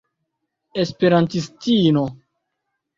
esperantistino